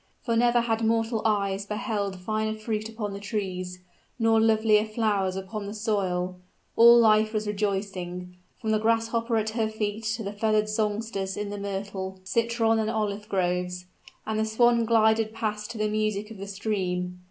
For never had mortal eyes beheld finer fruit upon the trees, nor lovelier flowers upon the soil; all life was rejoicing, from the grasshopper at her feet to the feathered songsters in the myrtle, citron, and olive groves; and the swan glided past to the music of the stream.